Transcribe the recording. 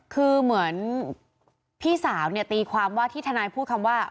คือเหมือนพี่สาวเนี่ยตีความว่าที่ทนายพูดคำว่า